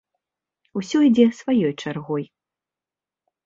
Усё ідзе сваёй чаргой.